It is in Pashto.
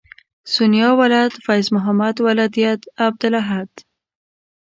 سونیا ولد فیض محمد ولدیت عبدالاحد